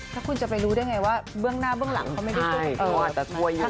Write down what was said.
แล้วคุณจะไปรู้ได้ไงว่าเบื้องหน้าเบื้องหลังเขาไม่ได้สู้